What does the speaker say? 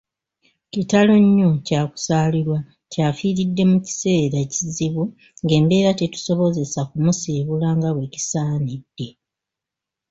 Kitalo nnyo kyakusaalirwa nti afiiridde mu kiseera ekizibu ng'embeera tetusobozesa kumusiibula nga bwekisaanidde.